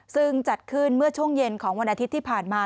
ซึ่งจัดขึ้นเมื่อช่วงเย็นของวันอาทิตย์ที่ผ่านมา